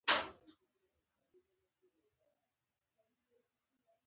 احمد وويل: پینځه ورځې وې.